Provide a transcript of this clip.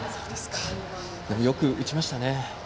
よく打ちましたね。